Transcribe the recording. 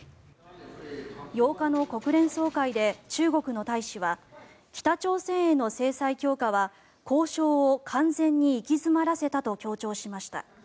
８日の国連総会で中国の大使は北朝鮮への制裁強化は交渉を完全に行き詰まらせたと強調しました。